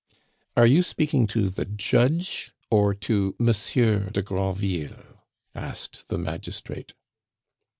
"Are you speaking to the judge or to Monsieur de Granville?" asked the magistrate.